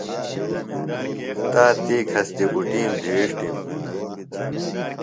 تا تی کھستی بٹُم دھریݜتِم۔ لُونتم ۔